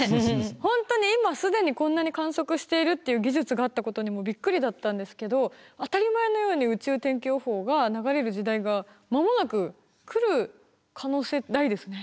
本当に今既にこんなに観測しているっていう技術があったことにもびっくりだったんですけど当たり前のように宇宙天気予報が流れる時代が間もなく来る可能性大ですね。